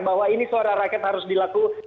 bahwa ini suara rakyat harus dilakukan